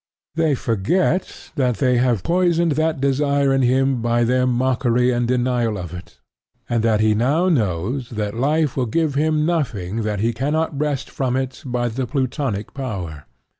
They forget that they have poisoned that desire in him by their mockery and denial of it, and that he now knows that life will give him nothing that he cannot wrest from it by the Plutonic power.